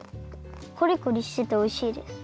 こりこりしてておいしいです。